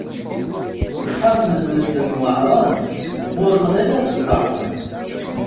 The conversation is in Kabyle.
Ixxamen n medden weɛṛen ma ur nɣin ad sḍeɛfen!